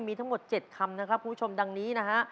มีทั้งหมด๗คำนะครับคุณผู้ชมดังนี้นะฮะ